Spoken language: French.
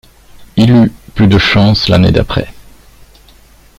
Il eut plus de chance l'année d'après.